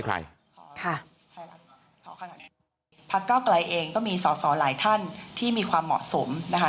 พักเก้าไกลเองก็มีสอสอหลายท่านที่มีความเหมาะสมนะคะ